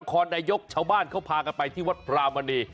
คอนนายกชาวบ้านเขาพากันไปที่วัดพรามณี